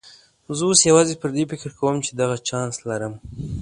زه اوس یوازې پر دې فکر کوم چې دغه چانس لرم.